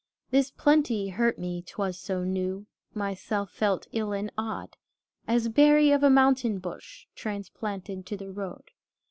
The plenty hurt me, 't was so new, Myself felt ill and odd, As berry of a mountain bush Transplanted to the road.